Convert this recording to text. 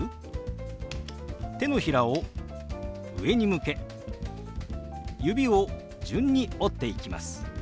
手のひらを上に向け指を順に折っていきます。